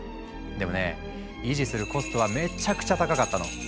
でもね維持するコストはめちゃくちゃ高かったの。